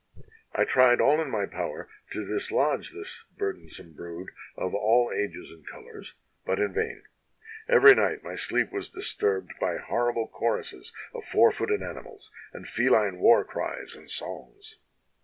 I tried aU in my power to dislodge this burdensome brood of all ages and colors, but in vain; every night my sleep was disturbed by horrible cho ruses of four footed animals, and feline war cries and songs.